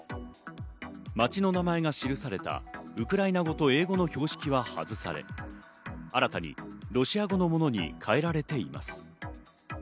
街の名前が記されたウクライナ語と英語の標識は外され、新たにロシア語のものに変えられています。